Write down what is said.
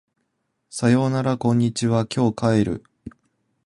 さよならこんにちは今日帰る